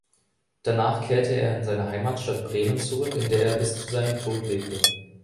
Danach kehrte er in seine Heimatstadt Bremen zurück, in der er bis zu seinem Tod lebte.